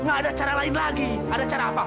nggak ada cara lain lagi ada cara apa